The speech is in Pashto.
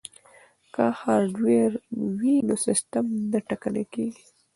که هارډویر وي نو سیستم نه ټکنی کیږي.